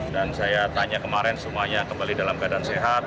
dan saya tanya kemarin semuanya kembali dalam keadaan sehat